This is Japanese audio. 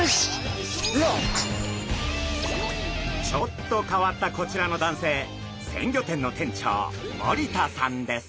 ちょっと変わったこちらの男性鮮魚店の店長森田さんです。